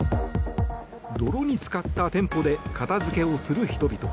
泥につかった店舗で片付けをする人々。